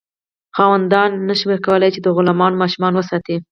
خاوندانو نشو کولی چې د غلامانو ماشومان وساتي.